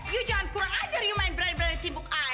you jangan kurang ajar you main berani berani timbuk saya